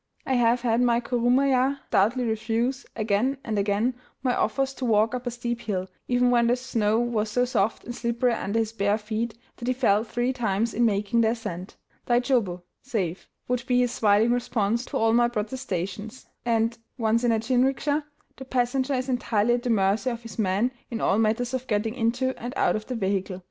I have had my kurumaya stoutly refuse, again and again, my offers to walk up a steep hill, even when the snow was so soft and slippery under his bare feet that he fell three times in making the ascent. "Dai jobu" (safe) would be his smiling response to all my protestations; and, once in a jinrikisha, the passenger is entirely at the mercy of his man in all matters of getting into and out of the vehicle.